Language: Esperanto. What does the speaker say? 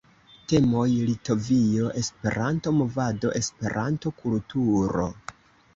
Temoj: Litovio, Esperanto-movado, Esperanto-kulturo.